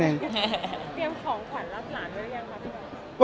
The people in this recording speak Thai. เตรียมของขวัญรักราวอย่างไรค่ะพี่บอม